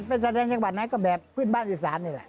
เป็นแสดงอย่างแบบนั้นก็แบบพื้นบ้านอิสาน